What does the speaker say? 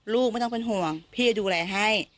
ไม่ต้องเป็นห่วงพี่จะดูแลให้